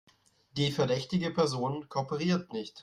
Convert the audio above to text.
Die verdächtige Person kooperiert nicht.